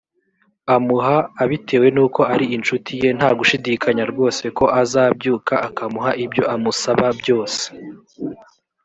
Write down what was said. amuha abitewe n’uko ari incuti ye nta gushidikanya rwose ko azabyuka akamuha ibyo amusaba byose